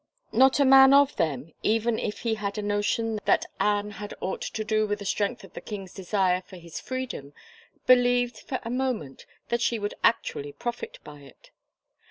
Not a man of them, even if he had a notion that Anne had aught to do with the strength of the king's desire for his freedom, believed for a moment that she would actually profit by it.